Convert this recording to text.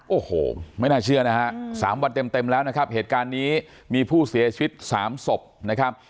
โอ้โหไม่น่าเชื่อนะฮะ๓วันเต็มแล้วนะครับเหตุการณ์นี้มีผู้เสียชีวิต๓ศพนะครับ